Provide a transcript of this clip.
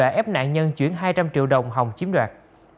đã ép nạn nhân chuyển hai trăm linh triệu đồng hồng chiếm đoạt